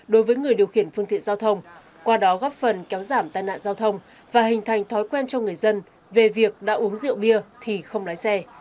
đối với người điều khiển phương tiện giao thông qua đó góp phần kéo giảm tai nạn giao thông và hình thành thói quen cho người dân về việc đã uống rượu bia thì không lái xe